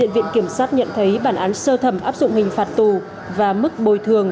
viện kiểm sát nhận thấy bản án sơ thẩm áp dụng hình phạt tù và mức bồi thường